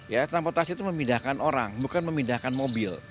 ya transportasi itu memindahkan orang bukan memindahkan mobil